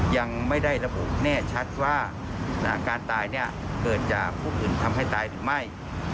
ยังไม่ได้ระบุแน่ชัดว่าการตายเกิดจากผู้อื่นทำให้ตายหรือไม่